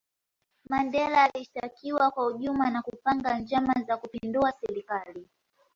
mandela alishitakiwa kwa hujuma na kupanga njama za kupindua serikali